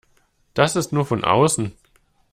Das ist nur von außen.